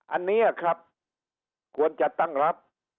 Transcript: อันนี้ครับควรจะตั้งรับ